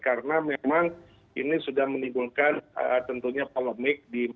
karena memang ini sudah menimbulkan tentunya polemik